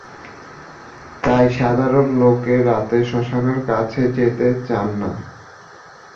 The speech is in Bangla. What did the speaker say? তাই সাধারণ লোকে রাতে শ্মশানের কাছে যেতে চান না।